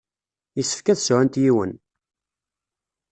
Yessefk ad sɛunt yiwen.